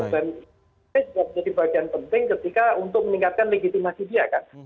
dan itu jadi bagian penting ketika untuk meningkatkan legitimasi dia kan